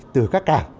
từ các cảng